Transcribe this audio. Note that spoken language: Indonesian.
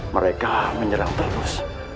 mereka menyerang terus